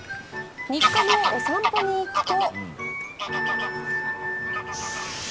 日課のお散歩に行くと。